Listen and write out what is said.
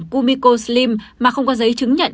kumiko slim mà không có giấy chứng nhận